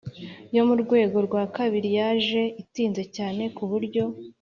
yo mu rwego rwa kabiri yaje itinze cyane ku buryo